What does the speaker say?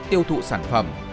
tiêu thụ sản phẩm